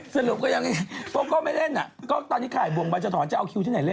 สรุปก็ยังไม่เล่นอ่ะก็ตอนนี้ขายบวงบัญชาธรณ์จะเอาคิวที่ไหนเล่นอ่ะ